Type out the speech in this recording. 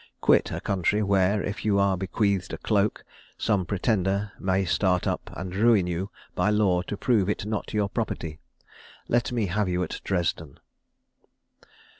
Quit a country where, if you are bequeathed a cloak, some pretender may start up, and ruin you by law to prove it not your property. Let me have you at Dresden."